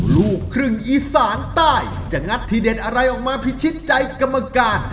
ลูกครึ่งอีสานใต้จะงัดทีเด่นอะไรออกมาพิชิตใจกรรมการ